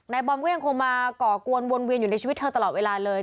บอมก็ยังคงมาก่อกวนวนเวียนอยู่ในชีวิตเธอตลอดเวลาเลย